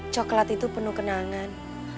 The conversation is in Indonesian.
coklat itu penuh kenangan